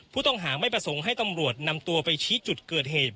ผู้ต้องหาไม่ประสงค์ให้ตำรวจนำตัวไปชี้จุดเกิดเหตุ